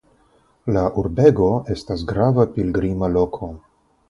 La urbego estas grava pilgrima loko.